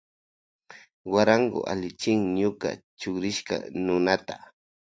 Guarango allichin ñuka chukrishkata nunata.